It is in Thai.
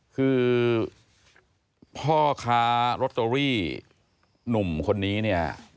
คือพ่อค้าลอตเตอรี่หนุ่มคนนี้เนี่ย